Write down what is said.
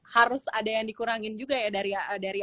harus ada yang dikurangin juga ya dari